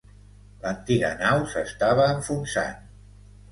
L'antiga nau s'estava enfonsant.